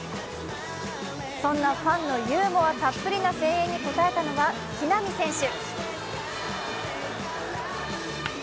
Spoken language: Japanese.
そんなファンのユーモアたっぷりの声援に応えたのは木浪選手。